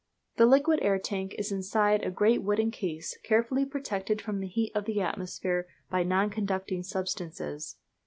The liquid air tank is inside a great wooden case, carefully protected from the heat of the atmosphere by non conducting substances.